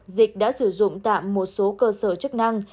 dịch đã sử dụng tạm một số cơ sở chức năng